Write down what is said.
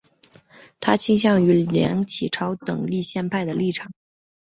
他倾向于梁启超等立宪派的立场。